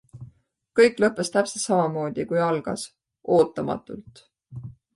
Kõik lõppes täpselt samamoodi, kui algas - ootamatult.